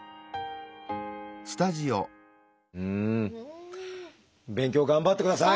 うん！勉強頑張ってください！